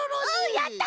やった！